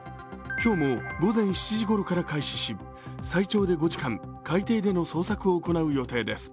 今日も午前７時ごろから開始し最長で５時間海底での捜索を行う予定です。